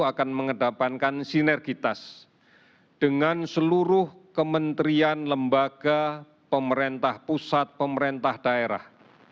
akan mengedapankan sinergitas dengan seluruh kementerian lembaga pemerintah pusat pemerintah daerah